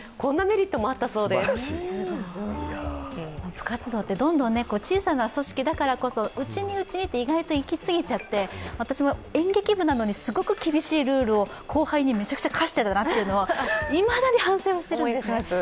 部活動ってどんどん、小さな組織だからこそ、内に内にといきすぎちゃって私も演劇部なのに、すごく厳しいルールを後輩にめちゃくちゃ課していたなと、いまだに反省しています。